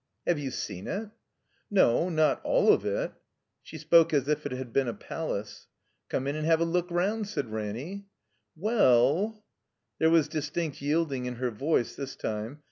Have you seen it?" No. Not all of it. '' She spoke as if it had been a palace. "Come in and have a look rotmd," said Raimy. "Well—" There was distinct yielding in her voice this time.